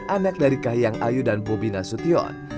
anak dari kahiyang ayu dan bobi nasution